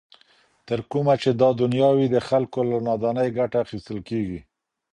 تر کومه چي دا دنیا وي د خلګو له نادانۍ ګټه اخیستل کیږي.